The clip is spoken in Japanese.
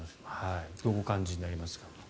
どうお感じになりますか？